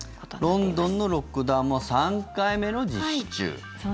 ロンドンのロックダウンも３回目の実施中。